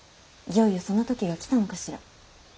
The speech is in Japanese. いよいよその時が来たのかしら。